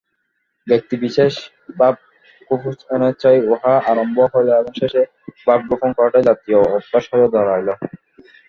ব্যক্তিবিশেষের ভাবগোপনেচ্ছায় উহা আরম্ভ হইল এবং শেষে ভাব গোপন করাটা জাতীয় অভ্যাস হইয়া দাঁড়াইল।